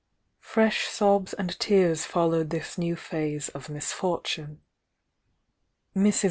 Fresh sobs and tears followed this new phase of misfortune. Mrs.